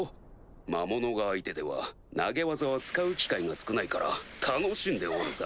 魔物が相手では投げ技は使う機会が少ないから楽しんでおるさ。